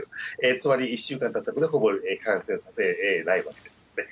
つまり１週間たった人はほぼ感染させないわけです。